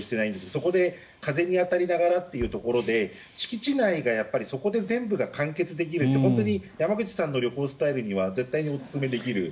そこで風に当たりながらというところで敷地内がそこで全部が完結できるって山口さんの旅行スタイルには絶対におすすめできる。